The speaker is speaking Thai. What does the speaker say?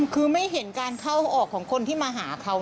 เขาเป็นคนยังไงครับ